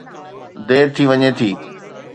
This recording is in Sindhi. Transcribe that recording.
دير ٿي وڃي ٿي.